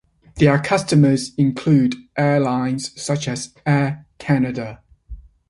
Their customers include airlines such as Air Canada.